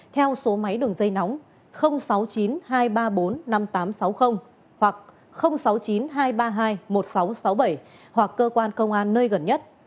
theo số máy đường dây nóng sáu mươi chín hai trăm ba mươi bốn năm nghìn tám trăm sáu mươi hoặc sáu mươi chín hai trăm ba mươi hai một nghìn sáu trăm sáu mươi bảy hoặc cơ quan công an nơi gần nhất